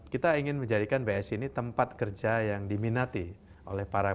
kita ingin menjadikan bsi ini tempat kerja yang diminati oleh para